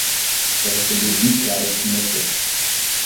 Já recebi vinte likes no meu post